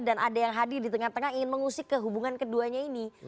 dan ada yang hadir di tengah tengah ingin mengusik ke hubungan keduanya ini